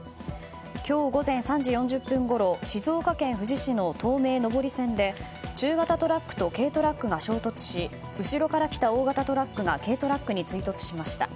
今日午前３時４０分ごろ静岡県富士市の東名上り線で、中型トラックと軽トラックが衝突し後ろから来た大型トラックが軽トラックに追突しました。